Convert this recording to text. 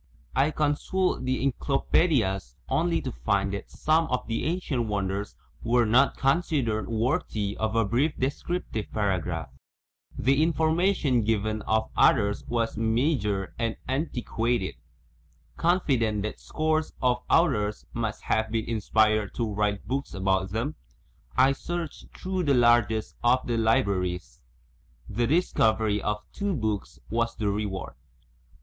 I consulted the encyclopae >>> i ( i 1 . f ,> dias only to find Uiat, some of the ancient wonders were not considered .yvwefyy pf a brief descriptive ','"',' paragraph; the information 'given of others was ..',.,,>,,(> meagre and antdqaa&d. ,\GetfiSdent that scores '>> i . i ) of authors must have been inspired to write books about them, I searched through the largest of the libraries. The discovery of two books was the reward.